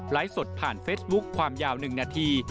สดผ่านเฟสบุ๊คความยาว๑นาที